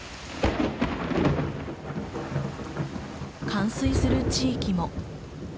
冠水する地域も。